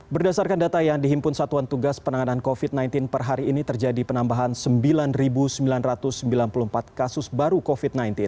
berdasarkan data yang dihimpun satuan tugas penanganan covid sembilan belas per hari ini terjadi penambahan sembilan sembilan ratus sembilan puluh empat kasus baru covid sembilan belas